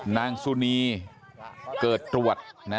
นางสุนีเกิดตรวจ